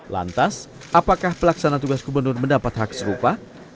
lantas apakah pelaksana tugas gubernur mendapat hak serupa